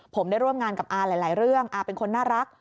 ผมได้ร่วมงานกับอาหลายเรื่องอาเป็นคนน่ารัก